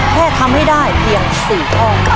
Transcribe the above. แค่ทำให้ได้เพียง๔ข้อครับ